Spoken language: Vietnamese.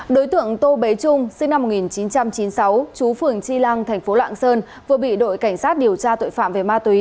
đối tượng tô bế trung sinh năm một nghìn chín trăm chín mươi sáu chú phường tri lăng thành phố lạng sơn vừa bị đội cảnh sát điều tra tội phạm về ma túy